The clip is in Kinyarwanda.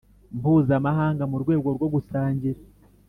mpuzamahanga mu rwego rwo gusangira